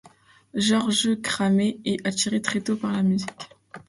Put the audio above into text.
Georges Cramer est attiré très tôt par la musique.